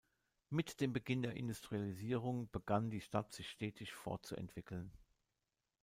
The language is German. Mit dem Beginn der Industrialisierung begann die Stadt sich stetig fortzuentwickeln.